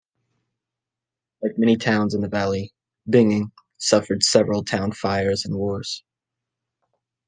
Like many towns in the valley, Bingen suffered several town fires and wars.